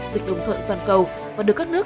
vịnh đồng thuận toàn cầu và được các nước